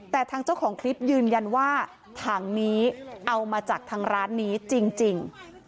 แต่ทางเจ้าของคลิปยืนยันว่าถังนี้เอามาจากทางร้านนี้จริง